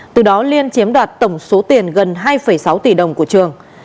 từ đó liên chiếm đoạt tổng số tiền gần hai sáu tỷ đồng của trường